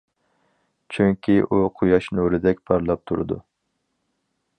چۈنكى ئۇ قۇياش نۇرىدەك پارلاپ تۇرىدۇ.